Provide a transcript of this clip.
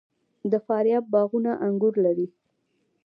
د فاریاب باغونه انګور لري.